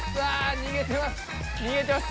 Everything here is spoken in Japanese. にげてます。